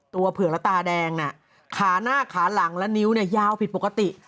เผือกและตาแดงน่ะขาหน้าขาหลังและนิ้วเนี่ยยาวผิดปกติ